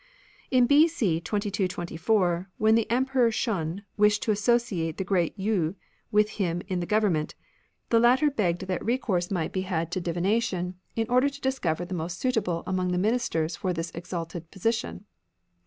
In B.C. 2224, when the Emperor Shun wished to associate the Great Yii with him in the govern ment, the latter begged that recourse might be 32 THE ANCIENT FAITH had to divination, in order to discover the most suitable among the Ministers for this exalted position.